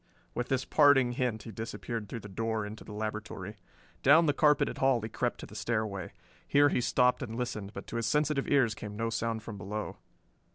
With this parting hint he disappeared through the door into the laboratory. Down the carpeted hall he crept to the stairway. Here he stopped and listened, but to his sensitive ears came no sound from below.